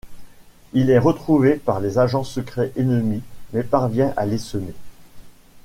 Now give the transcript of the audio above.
Il est retrouvé par les agents secrets ennemis mais parvient à les semer.